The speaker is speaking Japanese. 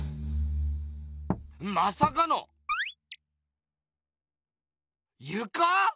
まさかのゆか⁉